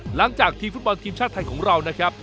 หลังจากทีมฟุตบอลทีมชาติไทยของเรานะครับ